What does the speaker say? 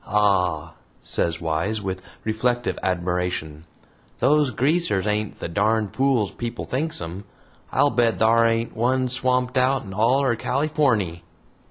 Ah," says Wise, with reflective admiration, "those greasers ain't the darned fools people thinks 'em. I'll bet thar ain't one swamped out in all 'er Californy."